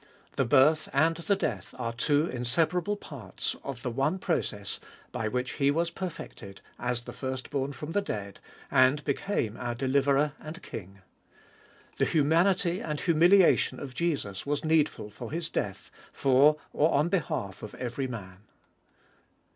The birth and the death are two inseparable parts of the one process by which He was perfected as the Firstborn from the dead, and became our Deliverer and King. The humanity and humiliation of Jesus was needful for His death for or on behalf of every man.